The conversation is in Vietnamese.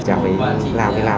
chả phải làm thế nào